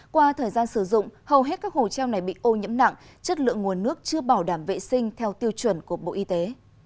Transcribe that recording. qua thời gian sử dụng hầu hết các hồ treo này bị ô nhiễm nặng chất lượng nguồn nước chưa bảo đảm vệ sinh theo tiêu chuẩn của bộ y tế